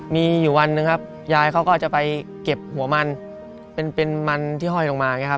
มีอยู่วันนึงครับยายเขาก็จะไปเก็บหัวมันเป็นมันที่ห้อยลงมา